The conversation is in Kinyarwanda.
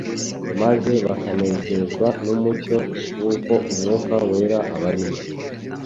maze bakanezezwa n'umucyo w'uko Umwuka wera abarimo.